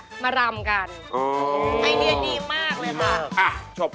สวัสดีครับ